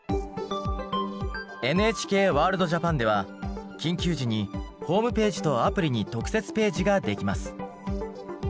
ＮＨＫワールドＪＡＰＡＮでは緊急時にホームページとアプリに特設ページができます。